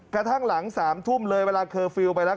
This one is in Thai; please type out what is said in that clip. กระทั่งหลัง๓ทุ่มเลยเวลาเคอร์ฟิลล์ไปแล้ว